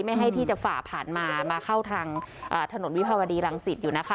ไม่ให้ที่จะฝ่าผ่านมามาเข้าทางถนนวิภาวดีรังสิตอยู่นะคะ